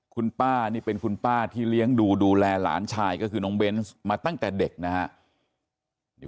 คุณป้านี่เป็นคุณป้าที่เลี้ยงดูดูแลหลานชายก็คือน้องเบนส์มาตั้งแต่เด็กนะครับ